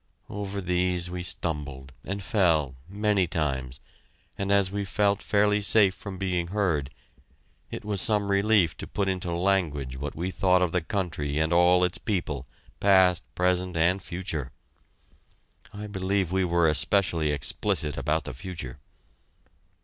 Over these we stumbled, and fell, many times, and as we felt fairly safe from being heard, it was some relief to put into language what we thought of the country and all its people, past, present, and future. I believe we were especially explicit about the future!